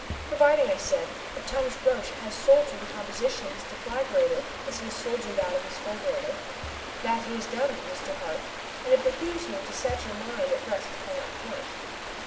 "Providing," I said, "that Thomas Roch has sold you the composition of his deflagrator as he has sold you that of his fulgurator." "That he has done, Mr. Hart, and it behooves me to set your mind at rest upon that point."